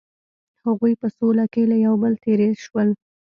هغوی په سوله کې له یو بل تیر شول.